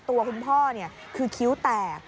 ตัวคุณพ่อคือคิ้วแตก